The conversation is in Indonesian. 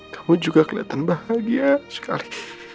kamu juga keliatan bahagia sekali